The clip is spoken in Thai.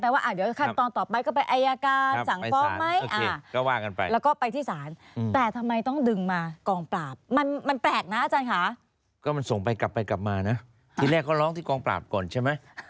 แปลว่าเดี๋ยวคันตอนต่อไปก็ไปอายการสั่งฟองไหม